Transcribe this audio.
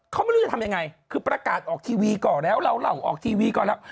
เขาไม่รู้จะทำยังไงคือประกาศออกทีวีก่อนแล้วเราเล่าออกทีวีก่อนแล้ว